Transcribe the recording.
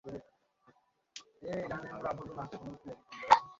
আমাকে আরো সতর্ক হতে হবে।